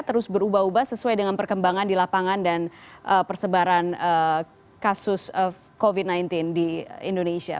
terus berubah ubah sesuai dengan perkembangan di lapangan dan persebaran kasus covid sembilan belas di indonesia